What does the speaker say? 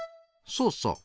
そうそう。